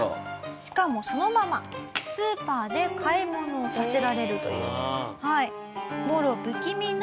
しかもそのままスーパーで買い物をさせられるという。